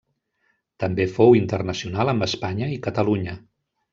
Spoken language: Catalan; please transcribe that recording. També fou internacional amb Espanya i Catalunya.